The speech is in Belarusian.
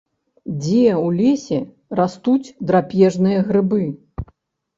Дзе ў лесе растуць драпежныя грыбы?